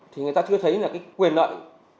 thì người ta chưa thấy quyền lợi